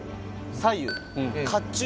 左右。